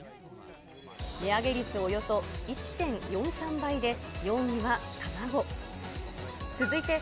値上げ率およそ１．４３倍で、４位は卵。